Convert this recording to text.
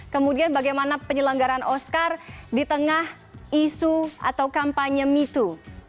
kemudian bagaimana penyelenggaran oscar di tengah isu atau kampanye mito